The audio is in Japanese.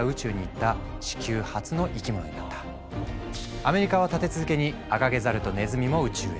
アメリカは立て続けにアカゲザルとネズミも宇宙へ。